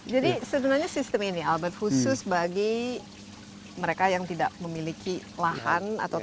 jadi sebenarnya sistem ini albert khusus bagi mereka yang tidak memiliki lahan atau